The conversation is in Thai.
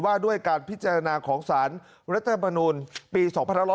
ว่าด้วยการพิจารณาของสารรัฐธรรมนูลปี๒๕๖๐